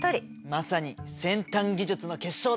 まさに先端技術の結晶だね。